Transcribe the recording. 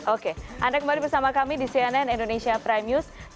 oke anda kembali bersama kami di cnn indonesia prime news